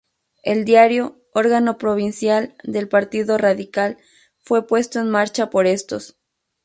El diario, órgano provincial del Partido Radical, fue puesto en marcha por estos.